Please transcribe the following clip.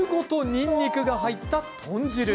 にんにくが入った豚汁。